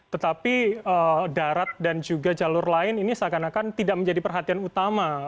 tetapi darat dan juga jalur lain ini seakan akan tidak menjadi perhatian utama